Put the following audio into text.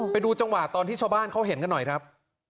ไปดูจังหวะตอนที่ชาวบ้านเขาเห็นกันหน่อยครับ